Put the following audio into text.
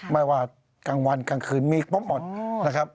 ไม่ว่ากลางวันกลางคืนมีปุ๊บหมดทำได้หมด